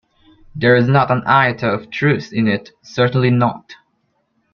There is not an iota of truth in it, certainly not.